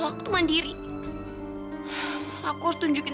aku harus tunjukin